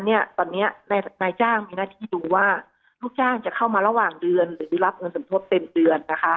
เพราะฉะนั้นตอนนี้นายจ้างมีหน้าที่ดูว่าทุกจ้างจะเข้ามาระหว่างเดือนหรือรับเงินสมโทษเต็มเดือน